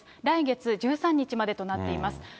来月１３日までとなっています。